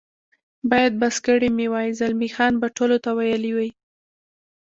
باید بس کړي مې وای، زلمی خان به ټولو ته ویلي وي.